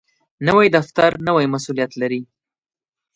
نوی دفتر نوی مسؤولیت لري